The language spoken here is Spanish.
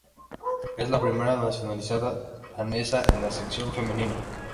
Es la primera nacionalizada danesa en la sección femenina.